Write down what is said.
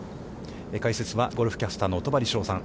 解説はゴルフキャスターの戸張捷さん。